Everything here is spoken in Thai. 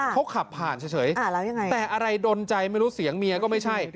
เขาขับผ่านเฉยแต่อะไรดนใจไม่รู้เสียงเมียก็ไม่ใช่